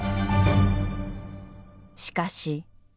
しかし。